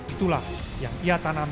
itulah yang ia tanggung